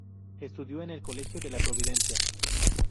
Estudió en el colegio La Providencia.